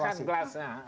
kita petahkan gelas